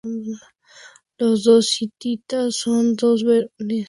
Los doce hititas son todos varones, sin características de individualización.